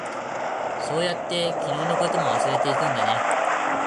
そうやって、昨日のことも忘れていくんだね。